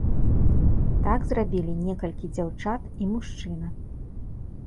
Так зрабілі некалькі дзяўчат і мужчына.